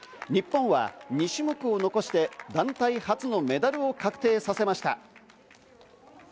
日本は２種目を残して団体初のメダルを確定させました。